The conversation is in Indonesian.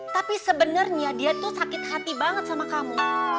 tapi sebenernya dia itu sakit hati banget sama kamu